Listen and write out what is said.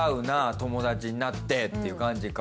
友達になってっていう感じか。